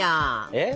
えっ？